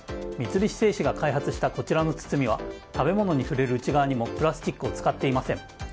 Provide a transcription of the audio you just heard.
三菱製紙が開発したこちらの包みは食べ物に触れる内側にもプラスチックを使っていません。